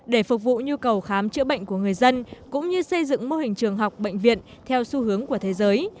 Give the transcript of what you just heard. để phục vụ nhu cầu khám chữa bệnh của người dân cũng như xây dựng mô hình trường học bệnh viện theo xu hướng của thế giới